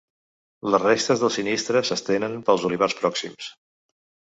Les restes del sinistre s’estenen pels olivars pròxims.